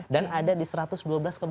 dan ada di satu ratus dua belas kebupaten